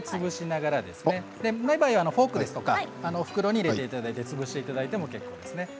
ない場合はフォークや袋に入れていただいて潰していただいても結構です。